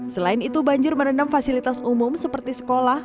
selain itu banjir merendam fasilitas umum seperti sekolah